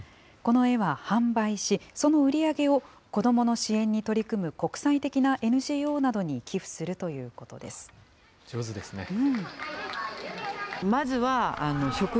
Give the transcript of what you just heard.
この絵は販売し、その売り上げを子どもの支援に取り組む国際的なＮＧＯなどに寄付上手ですね。